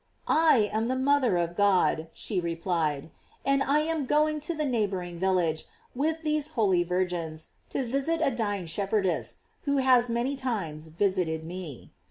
"I am the mother of God," she replied, "and I am going to the neighboring village, with these holy virgins, to visit a dying shepherdess, who has many times visited me."